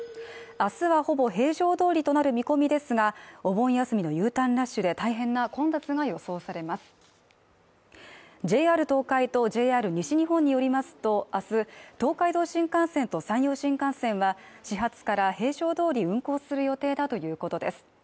明日はほぼ平常どおりとなる見込みですがお盆休みのＵターンラッシュで大変な混雑が予想されますＪＲ東海とＪＲ西日本によりますとあす東海道新幹線と山陽新幹線は始発から平常どおり運行する予定だということです